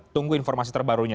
tunggu informasi terbarunya